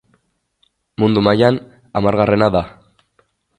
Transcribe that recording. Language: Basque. Mundu mailan hamargarrena da.